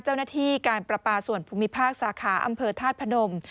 เจ้าหน้าที่การประปาส่วนภูมิภาคสาขาอำเภอธาตุพนม